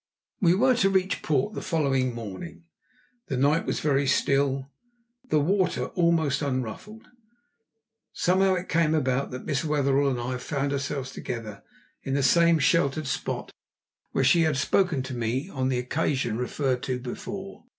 We were to reach port the following morning. The night was very still, the water almost unruffled. Somehow it came about that Miss Wetherell and I found ourselves together in the same sheltered spot where she had spoken to me on the occasion referred to before.